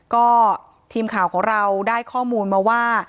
ก็ทีมข่าวของเราได้ข้อมูลมาว่า